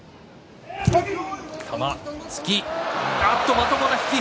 まともな、引き。